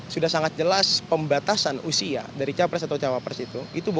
sudah sangat jelas pembatasan usia dari capres atau cawapres itu